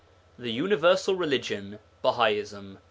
The Universal Religion; Bahaism.